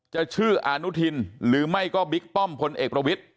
จะชื่ออนุทินหรือไม่ก็บิ๊กป้อมพลเอกประวิทธิ